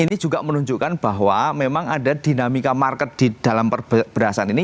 ini juga menunjukkan bahwa memang ada dinamika market di dalam berasan ini